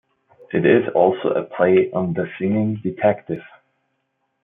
It is also a play on The Singing Detective.